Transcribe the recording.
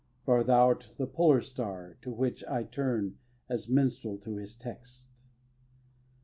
For thou'rt the polar star To which I turn as minstrel to his text.